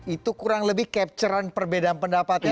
itu kurang lebih capture an perbedaan pendapatnya